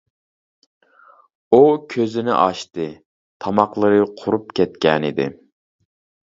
ئۇ كۆزىنى ئاچتى، تاماقلىرى قۇرۇپ كەتكەنىدى.